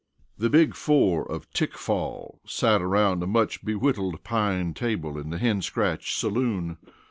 The Big Four of Tickfall sat around a much bewhittled pine table in the Hen Scratch saloon.